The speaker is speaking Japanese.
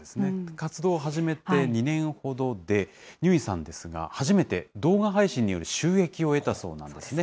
活動を始めて２年ほどで、にゅーいんさんですが、初めて動画配信による収益を得たそうなんですね。